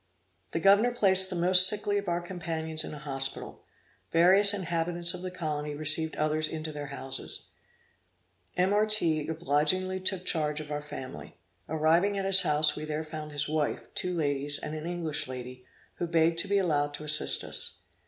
The governor placed the most sickly of our companions in a hospital; various inhabitants of the colony received others into their houses; M. Artigue obligingly took charge of our family. Arriving at his house we there found his wife, two ladies and an English lady, who begged to be allowed to assist us.